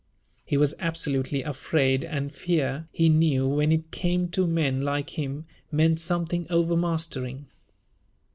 He was absolutely afraid, and fear, he knew, when it came to men like him, meant something overmastering.